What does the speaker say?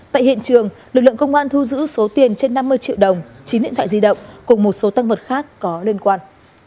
tại hiện trường lực lượng công an thu giữ số tiền trên năm mươi triệu đồng chín điện thoại di động cùng một số tăng vật khác có liên quan